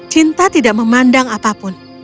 cinta tidak memandang apapun